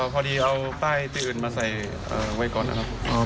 พอดีเอาป้ายตัวอื่นมาใส่ไว้ก่อนนะครับ